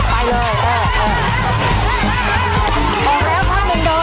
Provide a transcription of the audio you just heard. ไม่ออกลูกให้มันไหวเอา